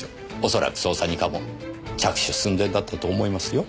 恐らく捜査二課も着手寸前だったと思いますよ。